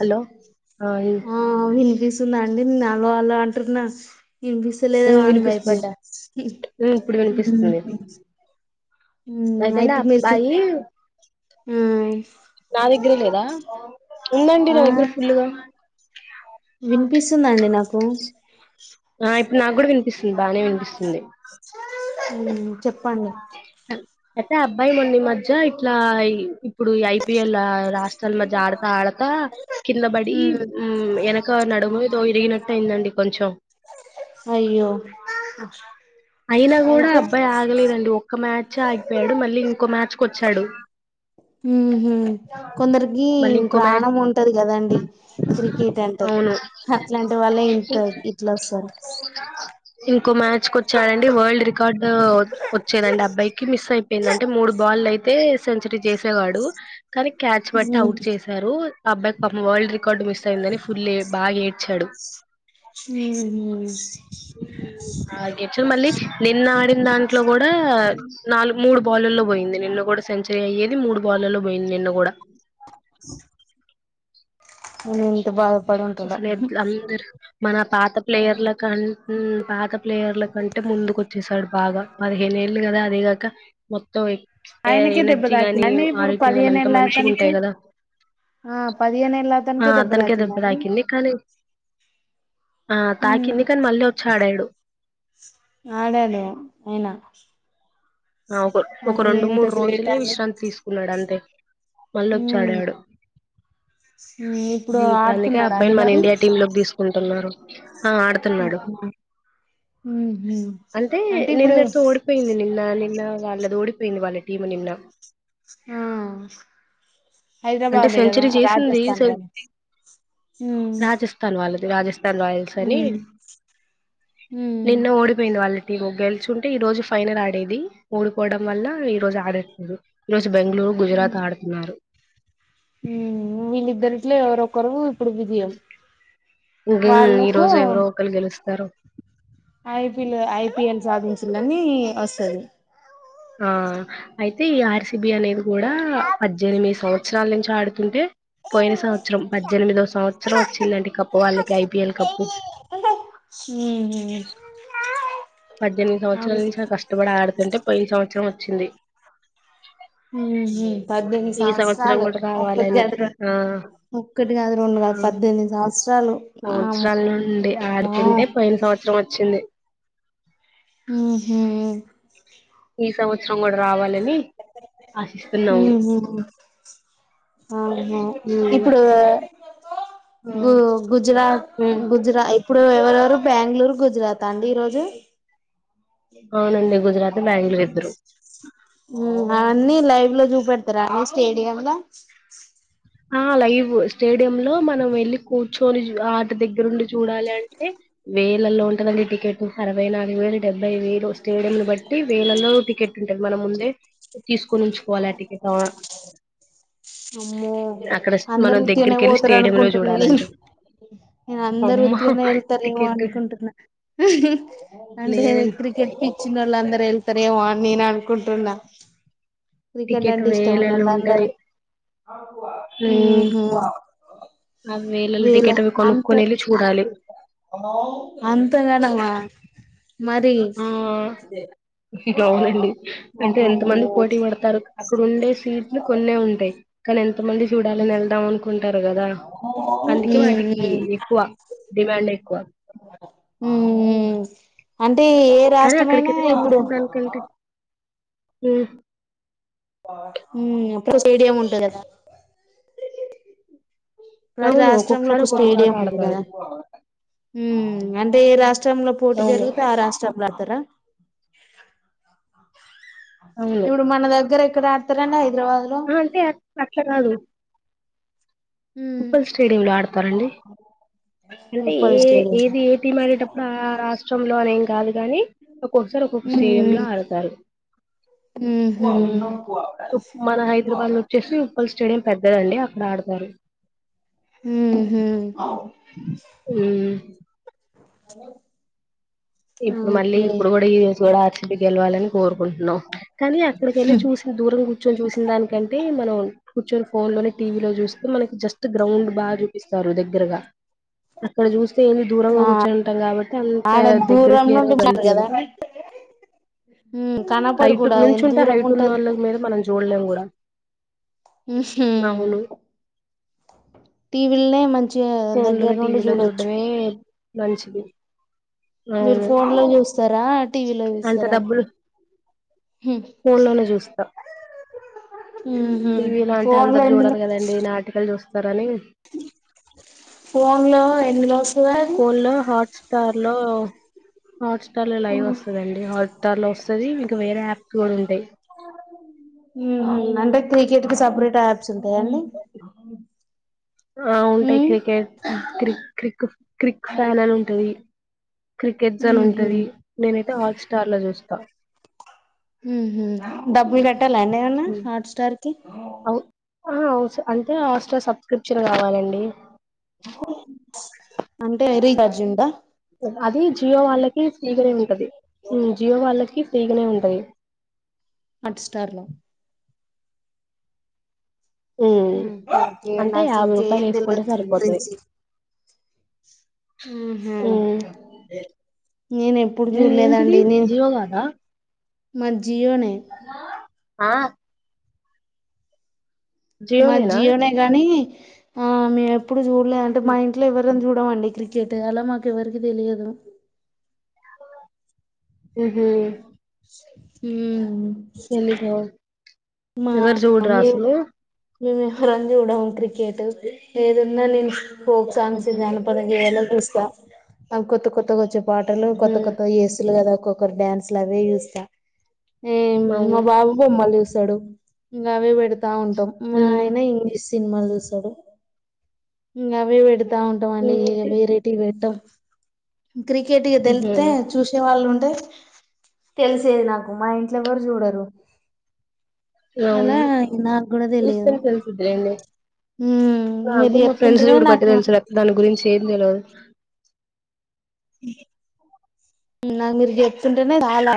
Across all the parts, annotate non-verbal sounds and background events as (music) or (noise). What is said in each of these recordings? Hello ఆ ఆ విన్ని (unintelligible) అండి నే అల అలా అంటున్నా వినిపిస్తలేదేమో అని వినిపిస్తుంది భయపడ్డా ఇప్పుడు వినిపిస్తుంది మ్మ్ అయితేండి అయితే మీరు కి- అబ్బాయి ఆ నా దగ్గరే లేదా ఉందండి ఆ, నా దగ్గర ఫుల్గా (inaudible) ఇనిపిస్తుందండి నాకు ఆ (inaudible) (unintelligible) నాకు కూడా వినిపిస్తుంది బాగానే వినిపిస్తుంది (unintelligible) చెప్పండి అయితే అబ్బాయి మొన్న ఇ మధ్య ఇట్లా ఇప్పుడు ఐపిఎల్ రాష్ట్రాల మధ్య ఆడతా ఆడతా కిందబడి మ్మ్ ఉ వెనక నడువ విరిగినట్టటు అయిందండి కొంచెం అయ్యో అయినా కూడా అయితే అబ్బాయి ఆగలేదండి ఒక్క మ్యాచ్ ఎ ఆగిపోయాడు మళ్ళీ ఇంకో మ్యాచ్ కొచ్చాడు హు మళ్ళీ ఇంకో మ్యాచ్ ఉంటది కదండి క్రికెట్ అంటే అవును అట్లాంటి వాళ్ళే ఇంత ఇట్లా వస్తారు ఇంకో మ్యాచ్ కు వచ్చాడండి వరల్డ్ రికార్డు వచ్చేదండి అబ్బాయికి మిస్ అయిపోయింది అంటే మూడు బాల్ అయితే సెంచరీ చేసేవాడు కానీ క్యాచ్ బట్టి మ్మ్ అవుట్ చేశారు అ అబ్బాయి కి పాపం వర్ల్డ్ రికార్డ్ మిస్ అయిందని ఫుల్ బాగా ఏడ్చాడు ఉహు అే చ మళ నిన్న (unintelligible) నిన్న ఆడిన దాంట్లో కూడా నాలుగు మూడు బాాలుల్లో పోయింది నిన్న కూడా సెంచరీ అయ్యేది మూడు బాాలులో పోయింది నిన్న కూడా (inaudible) ఎంత బా అసలే అంద మన పాత ప్లేయర్ల కంట పాత ప్లేయర్ల కంటే ముందుకు వచ్చేసాడు బాగా పదిహేను ఏళ్ళు కదా అదేగాక ఎ ఆయనకే దెబ్బ ఎనర్జీ గాని తాకింద అండి ఇప్పుడు ఆరోగ్యం గాని పదిహేను అంతా ఏళ్ళ మంచిగా అతనికి ఉంటాయి కదా ఆ పదిహేనుేళ్ళ అతనికే దెబ్బ తాకింద అండి కింది కాని ఆ ఉమ్ తాకింది కాని మళ్ళీ వచ్చాడాడు ఆడాడు అయినా ఒక రెండు మూడు గ్రేట్ రోజులే అండి విశ్రాంతి తీసుకున్నాడు అంతే మళ్ళీ ఒక ఉమ్ ఆడాడు ఉమ్ ఇప్పుడు అందుకే ఆడుతున్నాడా అండి అబ్బాయిని మన మరి ఇండియా టీమ్ లోకి తీసుకుంటున్నారు (inaudible) ఆ ఆడుతున్నాడు అవునా ఉహు అంటే నిన్నటితో ఓడిపోయింది నిన్న ని ఇ అళ్ది ఓడిపోయింది వాళ్ళ టీమని నిన్న ఆ అంటే హైదరాబాదే కదా సెంచరీ చేసింది రాజస్థాన్ స వాళ్ళు ఉమ్ రాజస్థాన్ వాళ్ళ రాజస్ యిల్స్ అని ఉమ్ ఉమ్ నిన్న ఓడిపోయింది. వాళ్ళ రు గెలుచుంటే ఈ రోజు ఫైనల్ ఆడేది. ఓ డికోవడం వల్ల ఈ రోజు ఆడట్లేదు. ఈ రజు బెంగళూరు, గుజరాత్ ఆడుతున్నారు. హు వీళ్ళిద్దరి ఇట్లే ఎవరొకరు ఇప్పుడు విజయం ఇం ఈ వాళ్ళకు రోజు ఎవరో ఒకరు గెలుస్తారు. ఐపీల్ ఐపిఎల్ సాధించిందని వస్తది. ఆ అయితే ఈ ఆర్సిబి అనేది కూడా పద్దెనిమిది సంవ వత్సరాల నుంచి ఆడుతుంటే పోయిన సంవత్సరం పద్దెనిమిదో సంవత్సరం వచ్చిందండి కప్పు, వాళ్ళకి ఐపిఎల్ కప్పు. ఉహు పద్దెనిమిది సంవత్సాల అవు నుంచి చాలా కష్టపడ ఆడుతుంటే పోయిన సంవత్సరం వచ్చింది హు హు ఈ సంవత్సరం కూడా రావాలని కాదు రెం ఆ ఒక్కటి కాదు రెండు కాదు పద్దెనిమిది సంవత్సరాలు సంవత్సరాల వామ్మో నుండి ఆడుతుంటే పోయిన సంవత్సరం వచ్చింది. హూ హూ ఈ సంవత్సరం కూడా రావాలి. హూ హూ హ హ ఆ ఉమ్ ఇప్పుడు గు గుజరాత్ ఉమ్ గుజరా ఇప్పుడు ఎవరవరు బెంగళూరు గుజరాత్ అండి ఈరోజు అవునండి గుజరాత్ బెంగళూరు ఇద్దరు అవన్నీ లైవ్ లో చూపెట్ట ఉరాని స్టేడియంమ్ లో ఆ లైవ్ స్టేడియం లో మనం వెల్లి కూర్చొని ఆట దగ్గరుండి చూడాలి అంటే వేరే లో ఉంటదండి టికెట్ అరవై నాలుగు వేలు డెబ్బై వేలు స్టేడియంలు బట్టి వేలలో టికెట్ ఉంటుంది. మన ముందే తీసుకు కు నుంచుకోవాలి అటికెట్ (inaudible) అమ్మో అందరు ఉత్తి గానే దగ్గరికి వెళ్ళి పోతారు స్టేడియం లో అనుకుంటున్నా న చూడాలంటే నేను అందరు అమ్మ ఉత్తి గానే వెళ్తారేమో టికెట్ అనుకుంటున్నా హ హ అంటే లేదండి క్రికెట్ పిచ్చిన్న వాళ్ళు అందరు వెళ్తారేమో అ నేను అనుకుంటున్నా టికెట్ వేలలో ఉంటది హమ్ మ్మ్ హు ఆ వేలల వీేళ టికెట్ అవి అంత కొనుక్కొని వెళ్ళి చూడాలి అంతంగానమా ఆ అవునండి వామ్మో అంటే ఎంత మంది పోటీ పడతారు అక్కడ ఉండే సీట్లు కొన్ని ఉంటాయి కానీ ఎంత మంది చూడాలని వెళ్దాం అనుకో కుంటారు కదా ఉమ్ అందుకే వాటికి ఉమ్ ఎక్కువ డిమాండ్ ఎక్కువ ఉ అంతే అంటే ఏ కానీ రాష్ట్రమయినా ఇప్పుడు ఆ అప్పుడు స్టేడియం ఉంటది కదా ప్రతి అవును రాష్ట్రంలో ఒక్కొక్కసారి ఒక ఒక్కొక్క చోట స్టేడియం ఉంది ఆడతారు కదా అంటే ఏ రాష్ట్రంలో పోటీ అవును జరుగితే ఆ రాష్ట్రం ప్రతార అవును ఇప్పుడు మన దగ్గర ఆడుతారండీ హైద అంటే అట్లకాదు ఉమ్ ఉప్పల్ స్టేడియంలో ఆడతారండి అంటే ఏ ఉప్పల్ స్టేడియం ఏది ఏ టీం ఆడేటప్పుడు ఆ రాష్ట్రంలో అనేం కాదు గానీ ఒక్కొక్కసారి ఒక్కొక్క స్టేడియం మ్మ్ లో ఆడతారు మ్మ్ మ్మ్ మన హైదరాబాద్ లో వచ్చేసి ఉప్పల్ స్టేడియం పెద్దదండి అక్కడ ఆడతారు అ అ అలో ఇప్పుడు మళ్ళీ ఇప్పుడు కూడా ఈ గుడ ఇంటికెళ్ళాలని కోరుకుంటున్నాం కానీ అక్కడికి వెళ్ళి చూసిిన దూరం కూర్చొని చూసిన దానికంటే మనం కూర్చొని ఫోన్ లో టీవీలో చూస్తే మనకి జస్ట్ గ్రాౌండ్ బాపి దగ్గరగా అక్కడ చూ ఏ దూరంగా కూర్చునింటారు కాబట్టి అంత దగ్గ దూరంగాఉంటారు కదా కనపడదు హైట్ కూడా నుంచుంటే దూరం హైట్ ఉంటది ఉన్నోళ్ళ మీద మనం చూడలేం కూడా అవును టీవీలోనే మంచి ఫోన్ లోనే టీవీలోని చూడమే మంచిది మీరు అవును ఫోన్ లో చూస్తారా టీవీలో అంత చూస్తారా డబ్బులు ఉహు టీవీ లాంటే ఫోన్ లో అందరు చూడరుకదండి నాటికలు చూస్త స్తరని ఫోన్లో ఎందులో వస్తది అది ఫోన్ లో హాట్ స్టార్ హలో హాట్ స్టార్లో లైవ్ వస్తుందండి హాట్ టార్ లో వస్తది వేరే యాప్స్ కూడా ఉంటాయి హ్మ్మ్ హ్మ్మ్ అంటె క్రికెట్ కి సపరేట్ యాప్స్ ఉంటాయాండి ఆ ఉంటాయి క్రికెట్ క్రి క్రిక్ క్రిక్ ఫ్యాన్ అని ఉంటది క్రికెట్స్ అని ఉహు ఉంటది నేనైతే హాట్స్టార్ లో చూస్తా హ్మ్మ్ హ్మ్మ్ డబ్బులు కట్టాలాండేవన హాట్ స్టార్ టి అవ్ ఆ అవుస్ అంటే హస్టర్ సబ్స్క్రిప్షన్ కావాలండి అంటే రీఛార్జ్ ఉందా అది జియో వాళ్ళకి ఫ్రీగానే ఏ ఉంటది జియో వాళ్ళకి ఫ్రీగనే ఉన్ టయ్ హాట్స్టార్ లో ఉమ్, ఓకే అంటే నాకు యాభై ఇంకేం రూపాయలు వేసుకుంటే తెలవద్దని సరిపోతది గురించి ఉమ్, నేను ఎప్పుడు మీ ఏంటిది చూడలేదండి నే జియో కాదా మంచి ఆ మా జియోనేనా జియోనే గాని ఆ మేమెప్ ప్పుడు చూడలే అంట మా ఉమ్, ఇంట్లో ఎవర్ ఇర చూడవాండి క్రికెట్ అలా మాకెవరకి తెలియదు హ్మ్మ్ హ్మ్మ్ హ్మ్ తెలిదు మా ఎవరు చూడురా మమ్మీ అసలు మేము ఎవరం చూడము క్రికెట్ ఏదున్నా నేను ఫోక్ సాంగ్స్ ఉహు జానప గేయాలవి చూస్తా అ కొత్త కొత్త గ వచ్చే పాటరలు ఉహు కొత్త కొత్త ఏసులు కదా డన్స్ లు అవే చూస్తా ఏ మా అవును బాబు బొమ్మలు చూసాడు నవే పెడుతా తా ఉంటాం మా ఉమ్, ఆయన ఇంగ్లీష్ సినిమాలు చూసాడు ఇంగ అవి పెడుదు తా ఉంటాం అండి ఉమ్, తి- వేరైటీవి పెట్టాం ్రా క్రికెట్ వి ఉహు తెలితే చూసే వాళ్ళు ఉంటే తెలిసేది నాకు మా ఇంట్లో ఎవరు చూడరు అలా అవును నాకు కూడా తెలియదు చూస్తేనే తెలిసిద్దిలేండి హు మీరు చెప్ ఫ్రెడ్స్ చూడబట్టి తెలుసు దని గురించి చెం తెలువదు నాకు మీరు చెప్తుంటేనే చాలా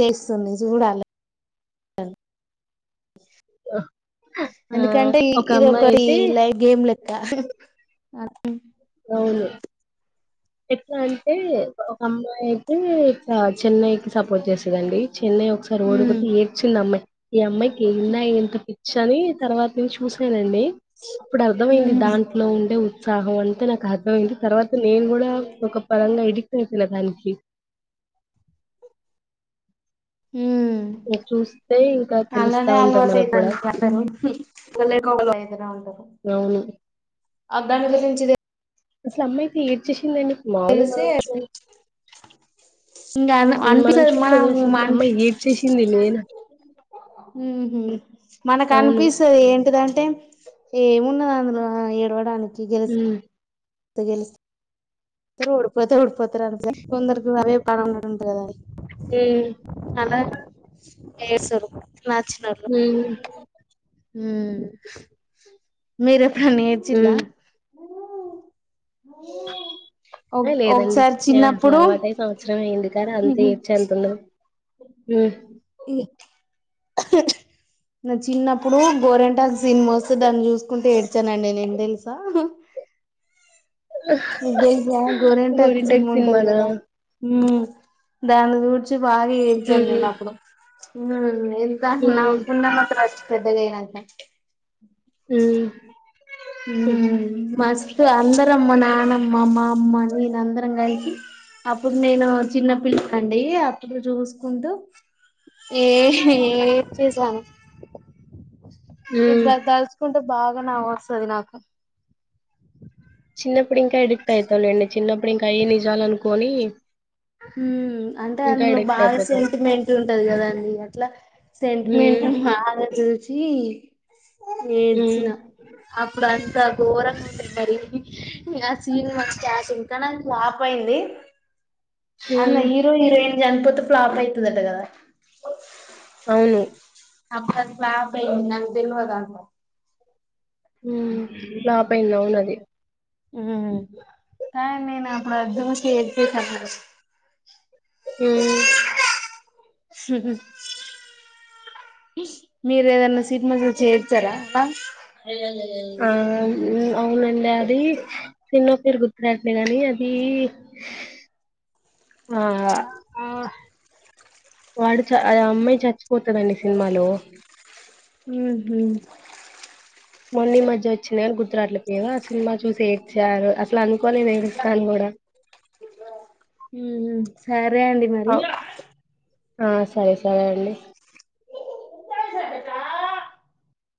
చేస్తుంది చూడాలి ఆ ఎందుకంటే ఒక ఇది అమ్మాయి ఒకటి అయితే లై గేమ్ లే అ అవును ఎట్లా అంటే ఒక అమ్మాయికి చెన్నైకి వచ్చేసదండి చెన్నై ఒకసారి మ్మ్ ఓడిపోతే ఏడ్చింది అమ్మాయి ఈ అమ్మాయి ఎంద ఏంక శని తర్వాత నేను చూసానండి అప్పుడు అర్థమయింది మ్మ్ దాంట్లో ఉండే ఉత్సహం తే నాకు అర్థమయింది తర్వాత నేను కూడా ఒక పరంగా అడిక్ట్ అయిపోయిన దానికి హ ఇంక చూస్తే ఇంకా తెలుస్తా అలానే ఉంటది అలవాటు మనకు కూడా అయితందండి అవును అగగానికి గురించి ఇది అసలు అమ్మాయితే ఏడ్చేసింది అండి మావలు తెలిస్తే మన చూ ఇంకా హ్మ్. మనం అనిపిస్తుంది చూసి వదిలేసాం మనం కానీ అంట అమ్మాయి ఏడ్చేసింది నేను మనకు హమ్ హమ్ అవును అనిపిస్తుంది ఏంటిదంటే ఏమున్నది అందులో ఏడువాడా అనికి హమ్ తగలు ద్దరు ఉడిపోతే ఉడిపోతు అ కొందరికి అదే పడం ఉంటంట కదా హమ్ ఏ సరు మార్చినరు హమ్ మీరె మేజిల్ల హ్మ్ ఆ లేదండి ఒకసారి నేను అసలు చిన్నప్పుడు అలవాటై సంవత్సరం అయ్యింది కాని అంత ఏడ్చే అంతుండదు హమ్ నా చిన్నప్పుడు గోరింటాకు సినిమ వస్తె దాన్ని చూసుకుంట ఏడ్చానండి నేన్ తెలుస మీక్ తెల్సా గోరింటాక్ గోరింటాకు సినిమ సినిమానా ఉంటదిగదా దాన్ని దూడ్చి బాగా ఏడ్చాను హ్మ్ నేను అప్పుడు (inaudible) ఇంకా హ్మ్ నవుకున్న మాత్రచ్చ పెద్దగయినంక హమ్ మస్త్ అందరమ్మ నానమ్మ మా అమ్మ నేను అందరం కలిసి అప్పుడు నేను చిన్న పిల్లన్ అండి అప్పుడు చూసుకుంటు ఏ ఏడ్చేశాను హ్మ్. ఇబ్బుడు అది తల్చుకుంటె బాగ నవ్వొస్తది నాకు చిన్నప్పుడు ఇంక ఎడిక్ట్ అవుతానండి చిన్నప్పుడు ఇంక అయ్యే నిజాల్ అనుకోని హమ్ అంటే ఇంకా అందులో ఎడిక్ట్ బాగ అయిపోతాం సెంటిమెంట్ ఉంటది కదా అండి అట్లా హ్మ్ సెంటిమెంట్ బాగ చూసి చి హ్మ్ ఏడ్చిన అప్పుడు ఇ ఘోరంగా ఉంటది మరి ఆ సీన్ మంచి చేసి కనీ ఆది ఫ్లాప్ అయింది అన్న హ్మ్ హీరో హీరోయిన్ ఎన్ పోతే ఫ్లాప్ అయితదట కదా అవును అబ్బ ఫ్లాప్ అయ్యింది నాకు తేల్వదంట ఉమ్మ్ ఫ్లాప్ అయ్యింది అవునది హుమ్మ్ కాని నేనప్పుడు అది చూసి ఏడ్చేశాన్ తెల్సా హుమ్ హు హు మీరెఏదన్నా సినిమా చూసి ఏడ్చారా అక్కా (inaudible) ఆ అవును అవునండే అది సినిమా పేరు గుర్తురాట్లేదండి అది ఆ ఆ వాడు చాలా అమ్మాయి చచ్చి పోతదండి సినిమాలో ఉహు మొన్ని ఈ మధ్య వచ్చింది కాని గుర్తురాట్లేదు, ఆ సినిమా చూసి ఏడ్చారు అసలు అనుకోలే నేను ఏడుస్తాను కూడా ఉమ్మ్ సరే అండి మరి అవ్ ఆ సరే సరే అండి